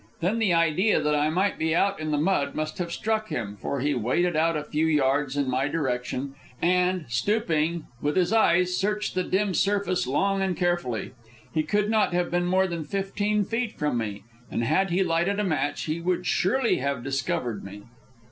Then the idea that I might be out in the mud must have struck him, for he waded out a few yards in my direction, and, stooping, with his eyes searched the dim surface long and carefully. He could not have been more than fifteen feet from me, and had he lighted a match he would surely have discovered me.